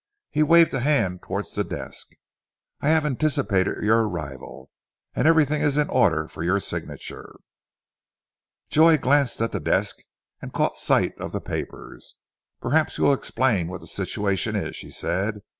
He waved a hand towards the desk. "I have anticipated your arrival, and everything is in order for your signature." Joy glanced at the desk, and caught sight of the papers. "Perhaps you will explain what the situation is," she said.